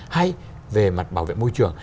hay về mặt bảo vệ môi trường